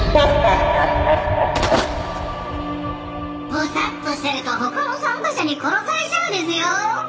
「ボサッとしてると他の参加者に殺されちゃうデスヨ」